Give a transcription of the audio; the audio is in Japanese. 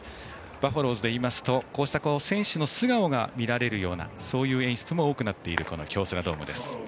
バファローズでいいますと選手の素顔が見られるようなそういう演出も多くなっている京セラドームです。